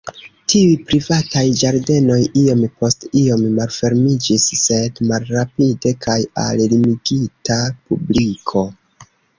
Tiuj privataj ĝardenoj iom post iom malfermiĝis sed malrapide kaj al limigita publiko.